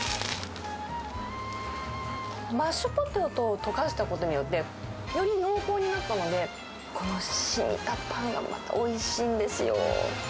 マッシュポテトを溶かしたことによって、より濃厚になったので、このしみたパンがまたおいしいんですよ。